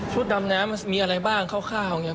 ชุดดำน้ำมีอะไรบ้างข้าวข้าวอย่างเงี้ย